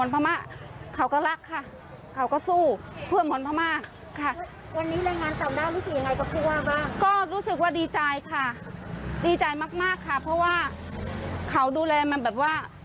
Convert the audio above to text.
เพราะว่าเขาดูแลมันแบบว่า